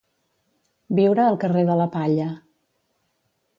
Viure al carrer de la Palla.